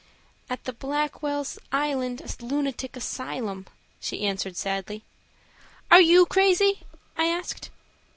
"At the Blackwell's Island Lunatic Asylum," she answered, sadly. "Are you crazy?" I asked.